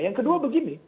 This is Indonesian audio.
yang kedua begini